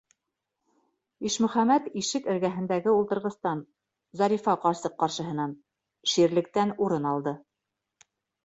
Ишмөхәмәт ишек эргәһендәге ултырғыстан, Зарифа ҡарсыҡ ҡаршыһынан, ширлектән урын алды.